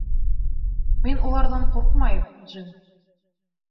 Мин уларҙан ҡурҡмайым, Джим.